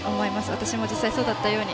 私も実際そうだったように。